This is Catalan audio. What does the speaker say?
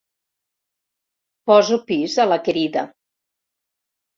Poso pis a la querida.